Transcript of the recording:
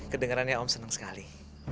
kedengarannya om senang sekali